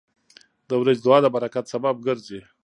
• د ورځې دعا د برکت سبب ګرځي.